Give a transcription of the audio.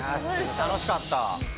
楽しかった。